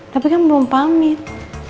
tapi kan belum pamit